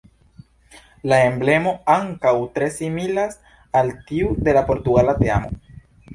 La emblemo ankaŭ tre similas al tiu de la portugala teamo.